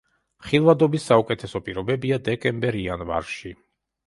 ხილვადობის საუკეთესო პირობებია დეკემბერ-იანვარში.